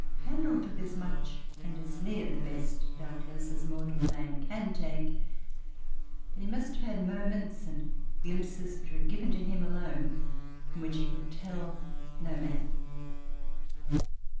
Handel took as much and as near the best, doubtless, as mortal man can take; but he must have had moments and glimpses which were given to him alone and which he could tell no man.